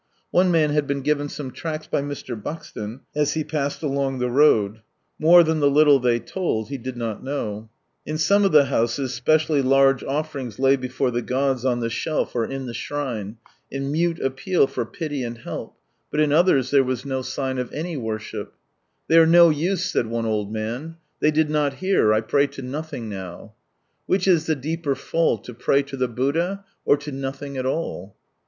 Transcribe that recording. One man had been given some tracts by Mr. Buxton as he passed along the road — more than the little ihey told, he did not know. In some of the houses specially large offerings lay before the gods on the shelf or in the shrine, in mute appeal for pity and help, but in others there was no sign of any worship, " They arc no use," said one old man, " they did not hear, I pray to nothing now ;" which is the deeper fall to pray to the Buddha or to nothing at all